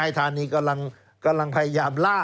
นายธานีกำลังกำลังพยายามล่า